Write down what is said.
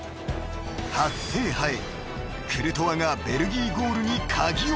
［初制覇へクルトワがベルギーゴールに鍵をかける］